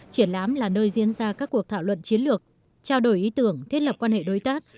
triển lãm là nơi diễn ra các cuộc thảo luận chiến lược trao đổi ý tưởng thiết lập quan hệ đối tác